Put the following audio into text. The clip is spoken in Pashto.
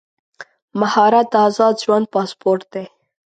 مهارت د ازاد ژوند پاسپورټ دی.